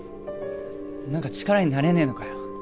何か力になれねえのかよ